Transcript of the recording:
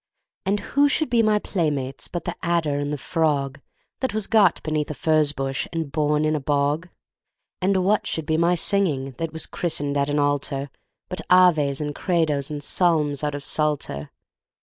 And who should be my playmates but the adder and the frog, That was got beneath a furze bush and born in a bog? And what should be my singing, that was christened at an altar, But Aves and Credos and Psalms out of Psalter?